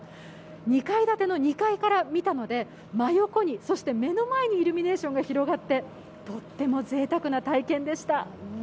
２階建ての２階から見たので真横に、そして目の前にイルミネーションが広がってとっても贅沢な体験でした。